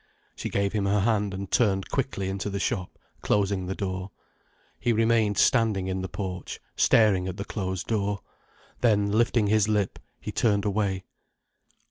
She gave him her hand and turned quickly into the shop, closing the door. He remained standing in the porch, staring at the closed door. Then, lifting his lip, he turned away.